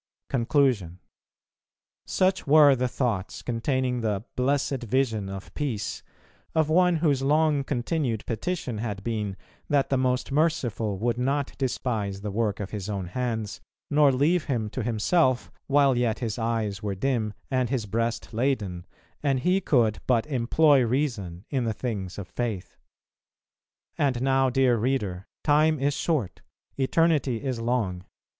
Such were the thoughts concerning the "Blessed Vision of Peace," of one whose long continued petition had been that the Most Merciful would not despise the work of His own Hands, nor leave him to himself; while yet his eyes were dim, and his breast laden, and he could but employ Reason in the things of Faith. And now, dear Reader, time is short, eternity is long.